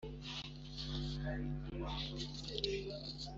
umukobwa cyangwa nu umuhungu.